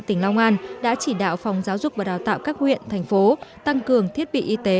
tỉnh long an đã chỉ đạo phòng giáo dục và đào tạo các huyện thành phố tăng cường thiết bị y tế